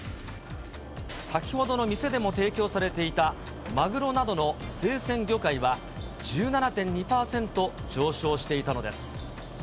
先ほどの店でも提供されていた、マグロなどの生鮮魚介は、１７．２％上昇していたのです。